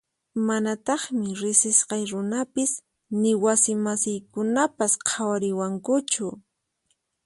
Manataqmi riqsisqay runapis ni wasi masiykunapas qhawariwankuchu.